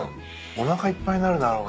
おなかいっぱいになるだろうなって。